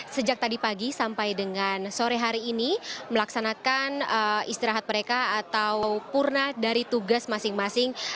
sejak tadi pagi sampai dengan sore hari ini melaksanakan istirahat mereka atau purna dari tugas masing masing